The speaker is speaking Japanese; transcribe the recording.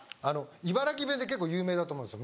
茨城弁って結構有名だと思うんです